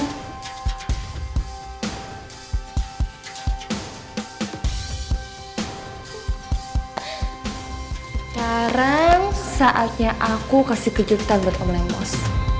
sekarang saatnya aku kasih kejutan buat om lemos